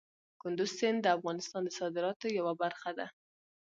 کندز سیند د افغانستان د صادراتو یوه برخه ده.